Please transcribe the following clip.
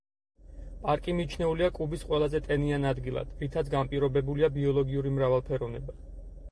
პარკი მიჩნეულია კუბის ყველაზე ტენიან ადგილად, რითაც განპირობებულია ბიოლოგიური მრავალფეროვნება.